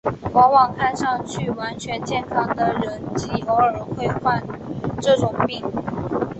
往往看上去完全健康的人极偶尔会患这种病。